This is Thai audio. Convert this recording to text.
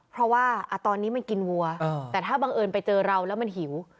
เพราะว่าตอนนี้มันกินวัวแต่ถ้าบังเอิญไปเจอเราแล้วมันหิว